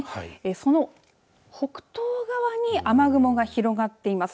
その北東側に雨雲が広がっています。